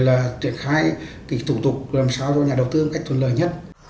là triển khai cái thủ tục làm sao cho nhà đầu tư cách thuận lợi nhất năm hai nghìn một mươi bảy nghệ an xác định là